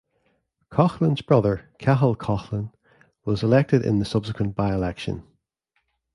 Coughlan's brother, Cathal Coughlan, was elected in the subsequent by-election.